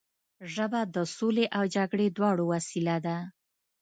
ژبه د سولې او جګړې دواړو وسیله ده